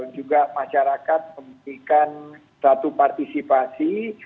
juga masyarakat memberikan satu partisipasi